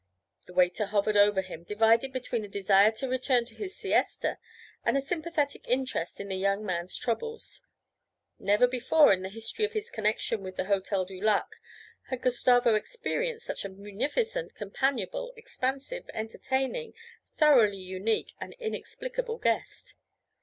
The waiter hovered over him, divided between a desire to return to his siesta, and a sympathetic interest in the young man's troubles. Never before in the history of his connexion with the Hotel du Lac had Gustavo experienced such a munificent, companionable, expansive, entertaining, thoroughly unique and inexplicable guest.